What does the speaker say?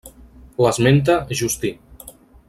L'esmenta Justí.